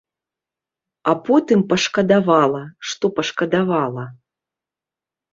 А потым пашкадавала, што пашкадавала.